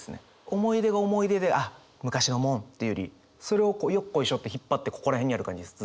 思い出が思い出で「あっ昔のもん」っていうよりそれをよっこいしょって引っ張ってここら辺にある感じです。